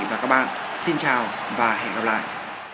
và các bạn xin chào và hẹn gặp lại